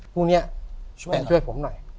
พรุ่งเนี่ยแปะช่วยผมหน่อย